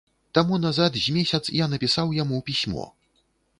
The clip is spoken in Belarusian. Таму назад з месяц я напісаў яму пісьмо.